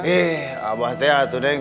eh abah tau tuh neng